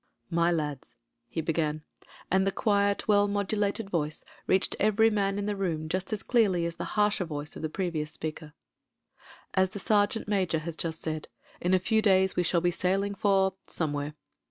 "My lads," he began — ^and the quiet, well modulated voice reached every man in the room just as clearly as the harsher voice of the previous speaker — "as the sergeant major has just said, in a few days we shall be sailing for — somewhere.